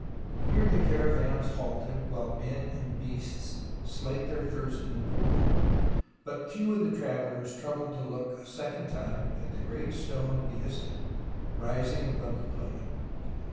Here the caravans halted while men and beasts slaked their thirst in the pool, but few of the travellers troubled to look a second time at the great stone of Behistun rising above the plain.